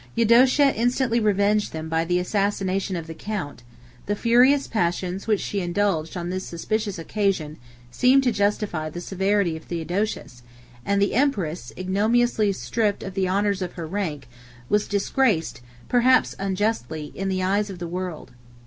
Eudocia instantly revenged them by the assassination of the count; the furious passions which she indulged on this suspicious occasion, seemed to justify the severity of Theodosius; and the empress, ignominiously stripped of the honors of her rank, 78 was disgraced, perhaps unjustly, in the eyes of the world.